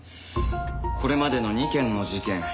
これまでの２件の事件